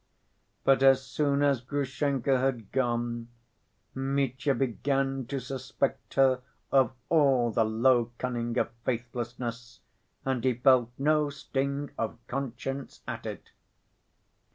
But, as soon as Grushenka had gone, Mitya began to suspect her of all the low cunning of faithlessness, and he felt no sting of conscience at it.